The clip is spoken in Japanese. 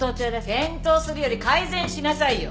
検討するより改善しなさいよ。